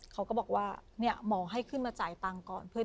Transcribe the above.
เขาก็บอกว่าเนี่ยหมอให้ขึ้นมาจ่ายตังค์ก่อน